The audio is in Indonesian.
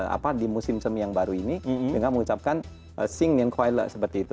apa di musim semi yang baru ini dengan mengucapkan sing in choila seperti itu